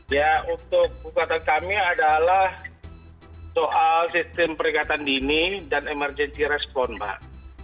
ya untuk kata kami adalah soal sistem peringatan dini dan emergency response mbak